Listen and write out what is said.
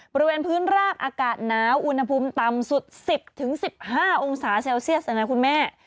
บริเวณพื้นราบอากาศหนาวอุณหภูมิต่ำสุด๑๐๑๕องศาเซลเซียสเลยนะคุณแม่